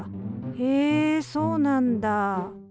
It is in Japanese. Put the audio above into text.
へえそうなんだ！